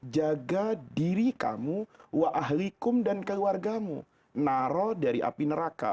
jaga diri kamu wa ahlikum dan keluargamu naro dari api neraka